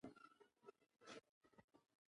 د ننګرهار په نازیانو کې څه شی شته؟